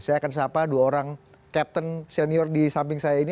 saya akan sapa dua orang captain senior di samping saya ini